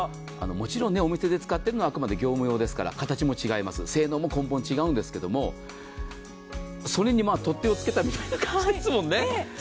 もちろんお店で使ってるのは、あくまで業務用ですから、形も違います、性能も根本、違うんですけど、それに取っ手を付けたみたいな感じですもんね。